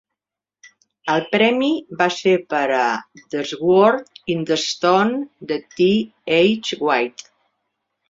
El premi va ser per a "The Sword in the Stone", de T. H. White.